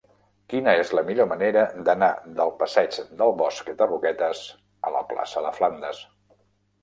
Quina és la millor manera d'anar del passeig del Bosc de Roquetes a la plaça de Flandes?